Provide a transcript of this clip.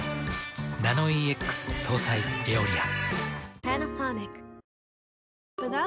ナノイーＸ搭載「エオリア」。